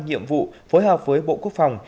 nhiệm vụ phối hợp với bộ quốc phòng